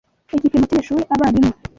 igipimo cy'abanyeshuri abarimu